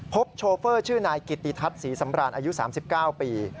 โชเฟอร์ชื่อนายกิติทัศน์ศรีสำราญอายุ๓๙ปี